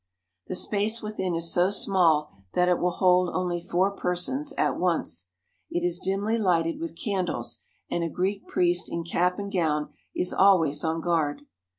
The space within is so small that it will hold only four persons at once. It is dimly lighted with can dles, and a Greek priest in cap and gown is always on guard.